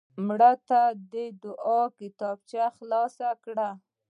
مړه ته د دعا کتابچه خلاص کړه